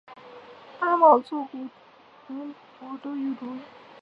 He was buried at Greenwood Union Cemetery in Rye.